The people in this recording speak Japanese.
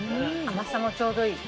甘さもちょうどいい。